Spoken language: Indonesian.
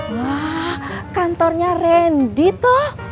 wah kantornya rendi tuh